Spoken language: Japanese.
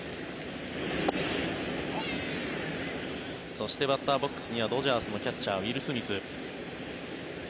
そして、バッターボックスにはドジャースのキャッチャーウィル・スミス。